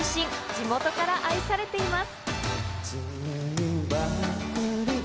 地元から愛されています。